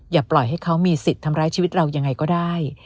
อย่าปล่อยให้เขามีสิทธิ์ทำร้ายชีวิตเรายังไงก็ได้